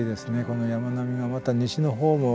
この山並みがまた西の方も。